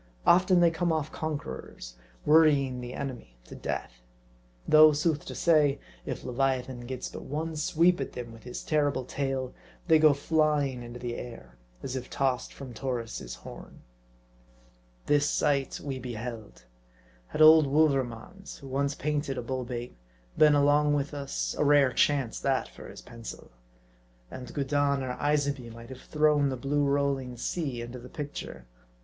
Often they come off conquerors, worrying the enemy to death. Though, sooth to say, if leviathan gets but one sweep at them with his terrible tail, they go flying into the air, as if tossed from Taurus' horn. This sight we beheld. Had old Wouvermans, who once painted a bull bait, been along witlr us, a rare chance, that, for his pencil. And Gudin or Isabey might have thrown the blue rolling sea into the picture.